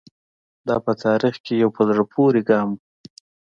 دا په تاریخ کې یو په زړه پورې ګام و.